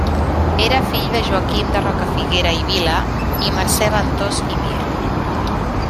Era fill de Joaquim de Rocafiguera i Vila i Mercè Ventós i Mir.